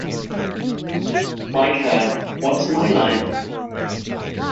Like her What's My Line?